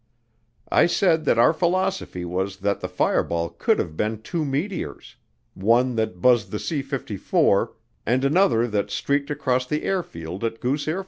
I said that our philosophy was that the fireball could have been two meteors: one that buzzed the C 54 and another that streaked across the airfield at Goose AFB.